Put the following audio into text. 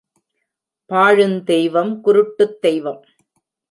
பாழுந்தெய்வம் குருட்டுத் தெய்வம்!